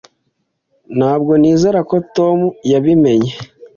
Ntabwo nizera ko Tom yabimenye.